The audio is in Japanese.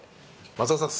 松坂さん